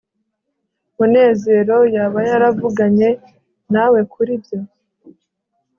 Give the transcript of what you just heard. munezero yaba yaravuganye nawe kuri ibyo